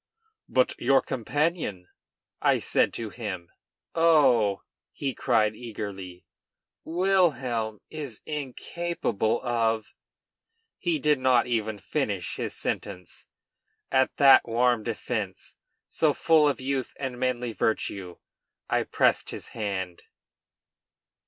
"But your companion?" I said to him. "Oh!" he cried eagerly. "Wilhelm is incapable of " He did not even finish his sentence. At that warm defence, so full of youth and manly virtue, I pressed his hand.